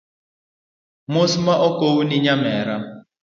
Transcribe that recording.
Mos ma okowni nyamera